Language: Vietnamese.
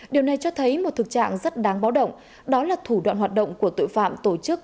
điều này cho thấy một thực trạng rất đáng báo động đó là thủ đoạn hoạt động của tội phạm tổ chức